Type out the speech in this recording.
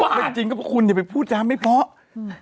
ไม่จริงก็คุณอย่าไปพูดจ้าไม่เพราะ